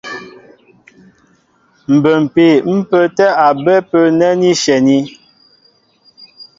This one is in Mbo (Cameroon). Mbə́mpii ḿ pə́ə́tɛ́ a bɛ́ ápə́ nɛ́ ní shyɛní.